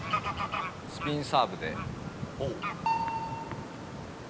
スピンサーブで。